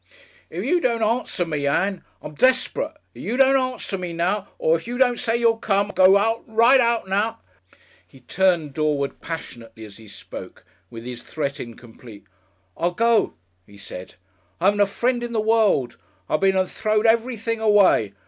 "If you don't answer me, Ann I'm desprit if you don't answer me now, if you don't say you'll come I'll go right out now " He turned doorward passionately as he spoke, with his threat incomplete. "I'll go," he said; "I 'aven't a friend in the world! I been and throwed everything away.